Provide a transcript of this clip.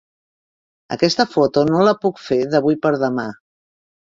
Aquesta foto no la puc fer d'avui per demà.